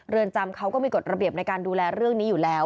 เรือนจำเขาก็มีกฎระเบียบในการดูแลเรื่องนี้อยู่แล้ว